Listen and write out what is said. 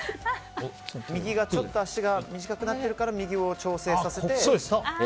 右が脚が短くなっているから右を調整させて。